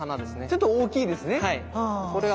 ちょっと大きいですね。